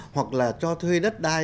hoặc là cho thuê đất đai